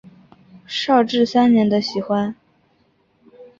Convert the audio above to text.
绍治三年的喜欢。